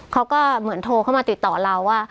เขาก็เหมือนโทรเข้ามาติดต่อเราว่า